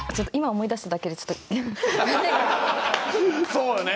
そうよね